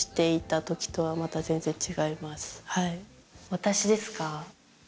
私ですか？